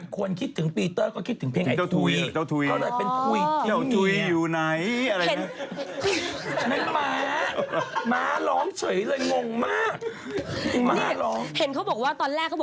เขาร้องเพลงถุย